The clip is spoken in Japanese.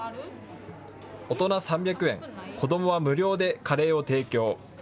大人３００円、子どもは無料でカレーを提供。